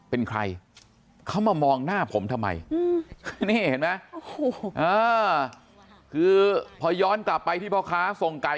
เป็นใครเขามามองหน้าผมทำไมนี่เห็นไหมคือพอย้อนกลับไปที่พ่อค้าส่งไก่